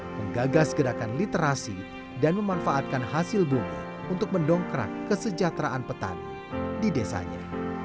menggagas gerakan literasi dan memanfaatkan hasil bumi untuk mendongkrak kesejahteraan petani di desanya